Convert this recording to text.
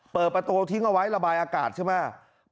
เปิดประตูทิ้งเอาไว้ระบายอากาศใช่ไหม